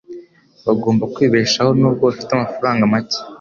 Bagomba kwibeshaho nubwo bafite amafaranga make.